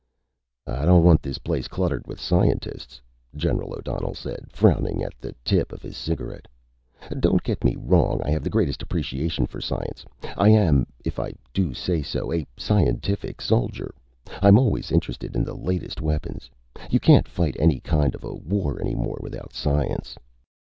"I don't want this place cluttered with scientists," General O'Donnell said, frowning at the tip of his cigarette. "Don't get me wrong. I have the greatest appreciation for science. I am, if I do say so, a scientific soldier. I'm always interested in the latest weapons. You can't fight any kind of a war any more without science."